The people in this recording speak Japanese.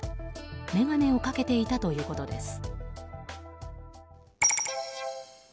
眼鏡をかけていたということです。